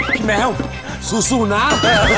พี่แมวสู้นะ